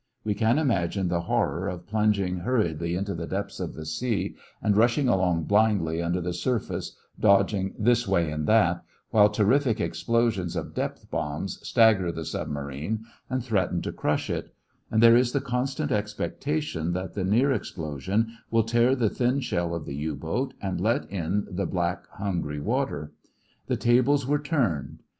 We can imagine the horror of plunging hurriedly into the depths of the sea, and rushing along blindly under the surface, dodging this way and that, while terrific explosions of depth bombs stagger the submarine and threaten to crush it, and there is the constant expectation that the next explosion will tear the thin shell of the U boat and let in the black hungry water. The tables were turned.